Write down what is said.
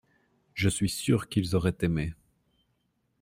Je suis sûr qu’ils auraient aimé.